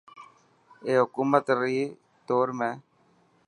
اي حڪومت ري دور ۾.